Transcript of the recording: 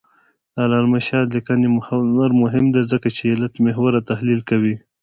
د علامه رشاد لیکنی هنر مهم دی ځکه چې علتمحوره تحلیل کوي.